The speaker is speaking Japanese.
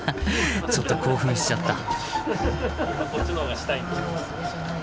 ちょっと興奮しちゃった。